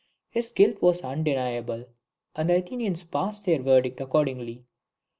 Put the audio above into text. His guilt was undeniable, and the Athenians passed their verdict accordingly.